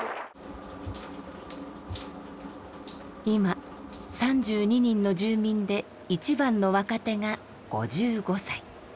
今３２人の住民で一番の若手が５５歳。